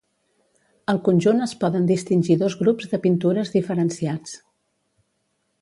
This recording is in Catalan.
Al conjunt es poden distingir dos grups de pintures diferenciats.